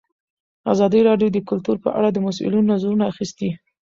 ازادي راډیو د کلتور په اړه د مسؤلینو نظرونه اخیستي.